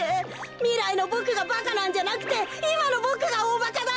みらいのボクがばかなんじゃなくていまのボクがおおばかだ！